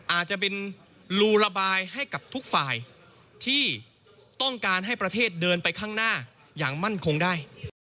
อาจจะเป็นรูระบายให้กับทุกฝ่ายที่ต้องการให้ประเทศเดินไปข้างหน้าอย่างมั่นคงได้